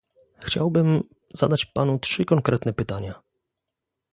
Chciałbym zadać panu trzy konkretne pytania